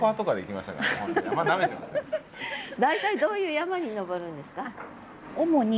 大体どういう山に登るんですか？